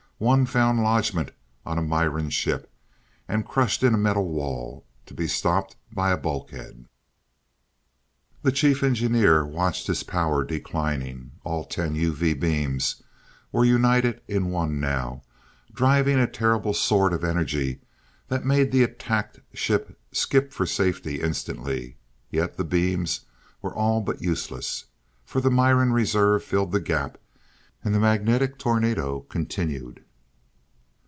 One found lodgement on a Miran ship, and crushed in a metal wall, to be stopped by a bulkhead. The Chief engineer watched his power declining. All ten UV beams were united in one now, driving a terrible sword of energy that made the attacked ship skip for safety instantly, yet the beams were all but useless. For the Miran reserves filled the gap, and the magnetic tornado continued.